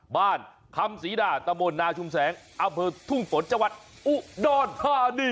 บ้านคำศรีดารตะบลนาชุมแสงอเผิดทุ่งฝนจังหวัดอุดรธานี